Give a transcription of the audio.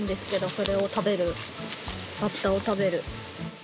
それを食べるバッタを食べる。